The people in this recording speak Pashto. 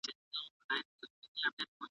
د زړه او ژبي یووالی غواړي